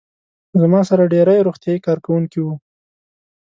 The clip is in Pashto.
زما سره ډېری روغتیايي کارکوونکي وو.